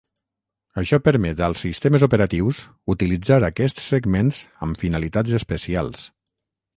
Això permet als sistemes operatius utilitzar aquests segments amb finalitats especials.